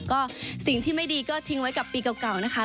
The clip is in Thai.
ก็สิ่งที่ไม่ดีก็ทิ้งไว้กับปีเก่านะคะ